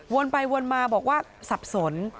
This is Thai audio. ไปวนมาบอกว่าสับสน